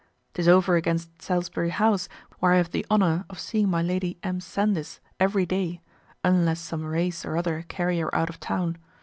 'Tis over against Salisbury House where I have the honour of seeing my Lady M. Sandis every day unless some race or other carry her out of town.